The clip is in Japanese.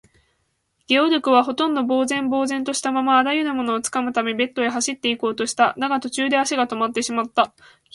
ゲオルクは、ほとんど呆然ぼうぜんとしたまま、あらゆるものをつかむためベッドへ走っていこうとした。だが、途中で足がとまってしまった。